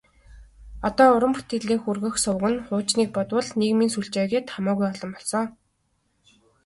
Одоо уран бүтээлээ хүргэх суваг нь хуучныг бодвол нийгмийн сүлжээ гээд хамаагүй олон болсон.